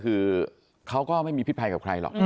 คือเขาก็ไม่มีพิษภัยกับใครหรอก